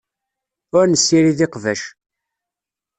Ur nessirid iqbac.